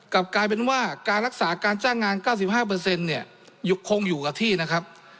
กลับกลายเป็นว่าการรักษาการจ้างงาน๙๕เนี่ยคงอยู่กับที่นะครับ